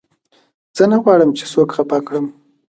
زه نه غواړم، چي څوک خفه کړم.